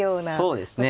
そうですね。